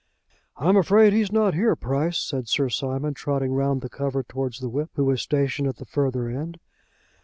"I'm afraid he's not here, Price," said Sir Simon, trotting round the cover towards the whip, who was stationed at the further end.